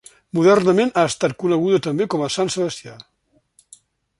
Modernament ha estat coneguda també com a Sant Sebastià.